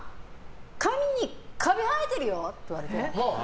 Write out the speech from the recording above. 髪にカビ生えてるよって言われて。